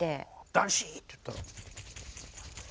「男子！」って言ったら。